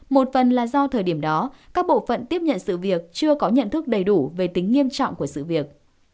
một phần là do thời điểm đó các bộ phận tiếp nhận sự việc chưa có nhận thức đầy đủ về tính nghiêm trọng của sự việc